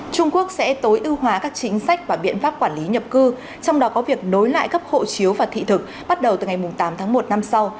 trung quốc sẽ tối ưu hóa các chính sách và biện pháp quản lý nhập cư trong đó có việc nối lại cấp hộ chiếu và thị thực bắt đầu từ ngày tám tháng một năm sau